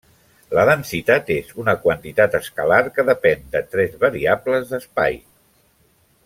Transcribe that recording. La densitat és una quantitat escalar que depèn de tres variables d'espai.